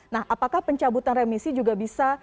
nah apakah pencabutan remisi juga bisa